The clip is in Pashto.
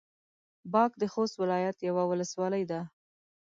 باک د خوست ولايت يوه ولسوالي ده.